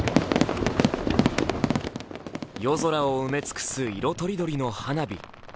夜空を埋め尽くす色とりどりの花火。